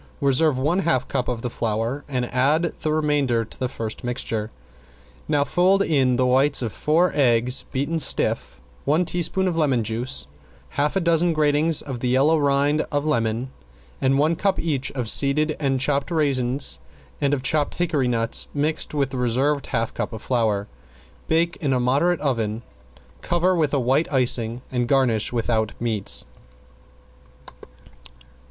Reserve one half cup of the flour and add the remainder to the first mixture. Now fold in the whites of four eggs beaten stiff, one teaspoon of lemon juice, half a dozen gratings of the yellow rind of lemon and one cup each of seeded and chopped raisins and of chopped hickory nuts mixed with the reserved half cup of flour. Bake in a moderate oven, cover with a white icing and garnish without meats.